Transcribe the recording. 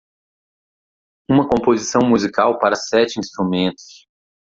Uma composição musical para sete instrumentos.